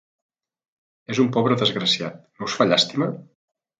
És un pobre desgraciat: no us fa llàstima?